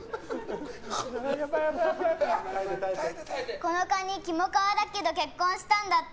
このカニ、キモかわだけど結婚したんだって。